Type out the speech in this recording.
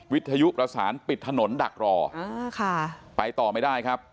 วิทยุประสานปิดถนนดักรออ่าค่ะไปต่อไม่ได้ครับ